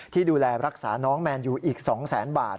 ที่ดูแลรักษาน้องแมนยูอีก๒แสนบาท